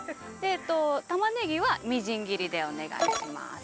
たまねぎはみじん切りでお願いします。